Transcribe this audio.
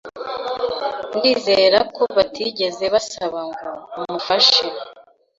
Ndizera ko batigeze basaba ngo amufashe